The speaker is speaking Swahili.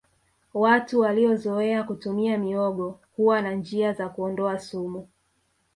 watu waliozoea kutumia mihogo huwa na njia za kuondoa sumu